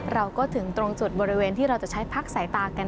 เราก็ถึงตรงจุดบริเวณที่เราจะใช้พักสายตากัน